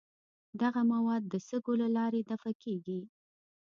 دغه مواد د سږو له لارې دفع کیږي.